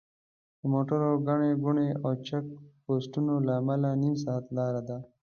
د موټرو ګڼې ګوڼې او چیک پواینټونو له امله نیم ساعت لاره ده.